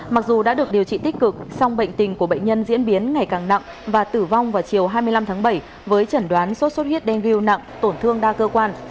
mặc dù đã được điều trị tích cực song bệnh tình của bệnh nhân diễn biến ngày càng nặng và tử vong vào chiều hai mươi năm tháng bảy với trần đoán sốt sốt huyết đanh ghi nặng tổn thương đa cơ quan